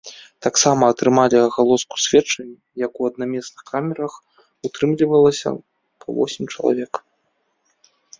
Таксама атрымалі агалоску сведчанні, як у аднаместных камерах утрымлівалася па восем чалавек.